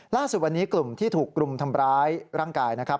ล่าสุดวันนี้กลุ่มที่ถูกกลุ่มทำร้ายร่างกายนะครับ